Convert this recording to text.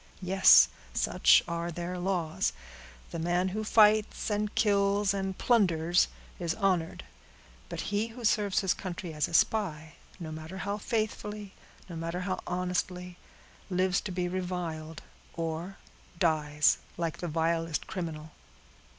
Yes, such are their laws; the man who fights, and kills, and plunders, is honored; but he who serves his country as a spy, no matter how faithfully, no matter how honestly, lives to be reviled, or dies like the vilest criminal!"